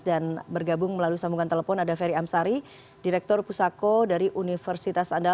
dan bergabung melalui sambungan telepon ada ferry amsari direktur pusako dari universitas andal